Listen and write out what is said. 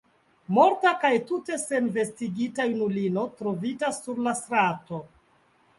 Morta kaj tute senvestigita junulino trovita sur la strato!